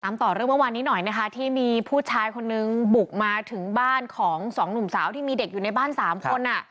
ต่อเรื่องเมื่อวานนี้หน่อยนะคะที่มีผู้ชายคนนึงบุกมาถึงบ้านของสองหนุ่มสาวที่มีเด็กอยู่ในบ้านสามคนอ่ะ